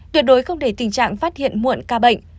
tuyệt đối không để tình trạng phát hiện muộn ca bệnh